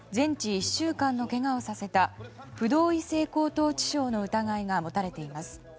１週間のけがをさせた不同意性交等致傷の疑いが持たれています。